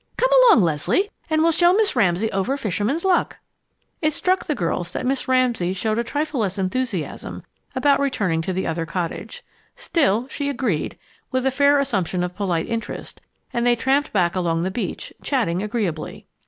"Come along, Leslie, and we'll show Miss Ramsay over Fisherman's Luck!" It struck the girls that Miss Ramsay showed a trifle less enthusiasm about returning to the other cottage. Still, she agreed, with a fair assumption of polite interest, and they tramped back along the beach, chatting agreeably.